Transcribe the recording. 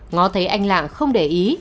ngó thấy anh lạng không để ý